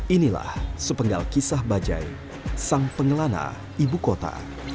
inilah sepenggal kisah bajai sang pengelana ibu kota